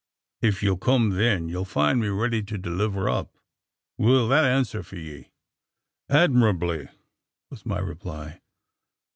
Ef ye'll kum then, ye'll find me ready to deliver up. Will that answer for ye?" "Admirably!" was my reply.